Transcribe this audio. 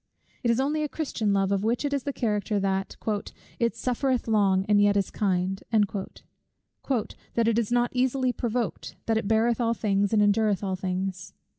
It is only a Christian love of which it is the character, that "it suffereth long, and yet is kind;" "that it is not easily provoked, that it beareth all things, and endureth all things."